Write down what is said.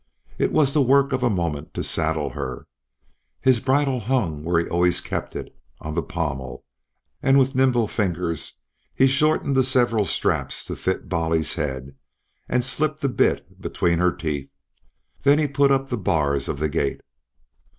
It was the work of a moment to saddle her; his bridle hung where he always kept it, on the pommel, and with nimble fingers he shortened the several straps to fit Bolly's head, and slipped the bit between her teeth. Then he put up the bars of the gate.